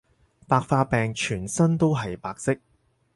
白化病全身都係白色